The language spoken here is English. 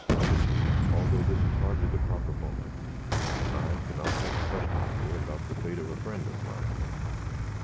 "Imogene, although this is hardly the proper moment, I cannot help questioning you about the fate of a friend of mine."